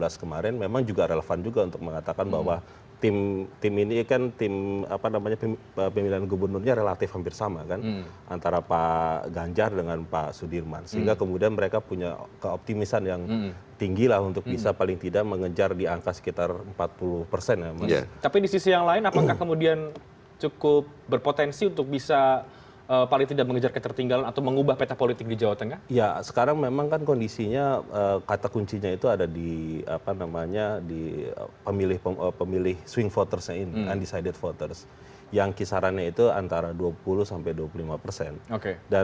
sebelumnya prabowo subianto